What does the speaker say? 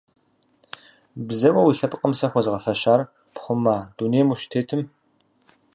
Бзэуэ уи лъэпкъым сэ хуэзгъэфэщар пхъума дунейм ущытетым?